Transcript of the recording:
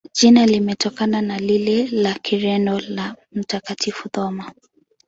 Jina limetokana na lile la Kireno la Mtakatifu Thoma.